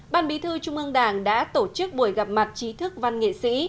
ban bí thư trung ương đảng đã tổ chức buổi gặp mặt trí thức văn nghệ sĩ